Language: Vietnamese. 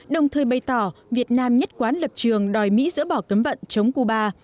đồng thời bày tỏ việt nam nhất quán lập trường đòi mỹ dỡ bỏ cấm vận chống cuba